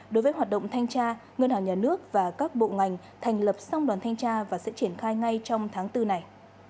đối với hoạt động thanh tra ngân hàng nhà nước và các bộ ngành thành lập song đoàn thanh tra và sẽ triển khai ngay trong tháng bốn này